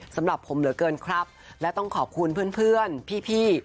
สำหรับผมเหลือเกินครับและต้องขอบคุณเพื่อนเพื่อนพี่